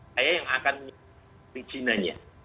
saya yang akan mencari izinanya